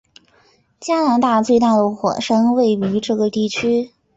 加拿大最大的火山位于这个地区。